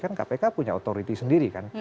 kan kpk punya otoritas sendiri kan